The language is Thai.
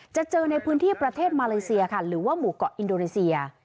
จะเจอในพื้นที่ประเทศมาเลเซียค่ะหรือว่าหมู่เกาะอินโดนีเซีย